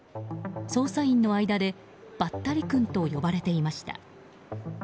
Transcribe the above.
捜査員の間で、ばったりくんと呼ばれていました。